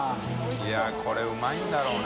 いやこれうまいんだろうね。